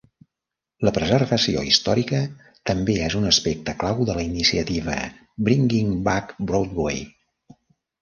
La preservació històrica també és un aspecte clau de la iniciativa "Bringing Back Broadway".